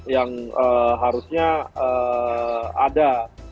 yang harusnya ada